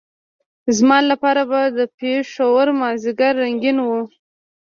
زما لپاره به د پېښور مازدیګر رنګین وو.